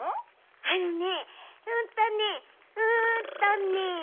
あのねうんとねうんとね。